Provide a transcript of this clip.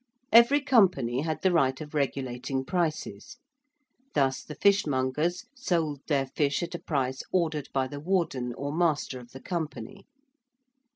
Every Company had the right of regulating prices. Thus the Fishmongers sold their fish at a price ordered by the Warden or Master of the Company.